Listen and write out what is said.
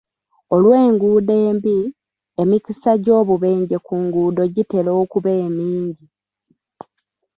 Olw'enguudo embi, emikisa gy'obubenje ku nguudo gitera okuba emingi.